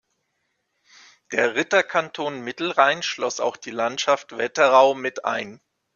Der Ritterkanton Mittelrhein schloss auch die Landschaft Wetterau mit ein.